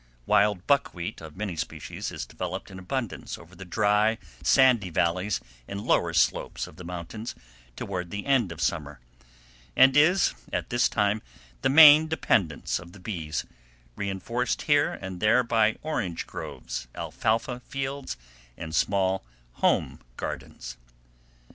Wild buckwheat of many species is developed in abundance over the dry, sandy valleys and lower slopes of the mountains, toward the end of summer, and is, at this time, the main dependence of the bees, reinforced here and there by orange groves, alfalfa fields, and small home gardens.